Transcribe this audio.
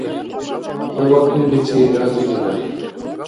ХӀу вакӀниличи разилира!